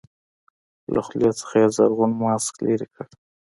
له خولې څخه يې زرغون ماسک لرې کړ.